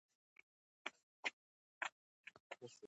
ځوانان باید خپله املاء سمه کړي.